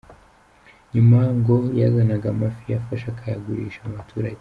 Nyuma ngo yazanaga amafi yafashe akayagurisha mu baturage.